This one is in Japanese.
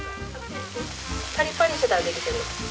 パリパリしてたらできてる。